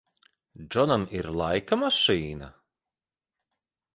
Džonam ir laika mašīna?